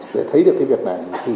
để thấy được cái việc này